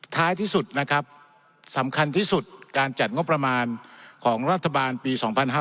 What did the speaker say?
ท้ายที่สุดนะครับสำคัญที่สุดการจัดงบประมาณของรัฐบาลปี๒๕๕๙